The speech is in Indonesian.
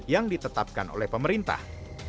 yang ditetapkan oleh pemerintah